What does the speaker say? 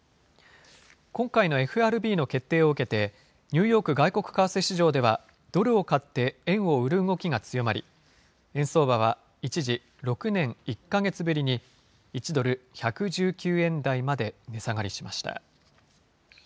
今回のＦＲＢの決定を受けて、ニューヨーク外国為替市場では、ドルを買って円を売る動きが強まり、円相場は一時、６年１か月ぶりに、１ドル１１９円台まで値下がりしました。